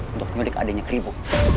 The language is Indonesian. untuk nyulik adeknya keribu